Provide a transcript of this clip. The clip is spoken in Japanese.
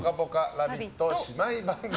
ラヴィット姉妹番組」。